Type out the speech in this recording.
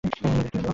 নন্দির কি হলো?